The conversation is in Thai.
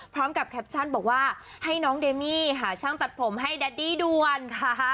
แคปชั่นบอกว่าให้น้องเดมี่หาช่างตัดผมให้แดดดี้ด่วนค่ะ